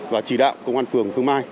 và chỉ đạo công an phường phương mai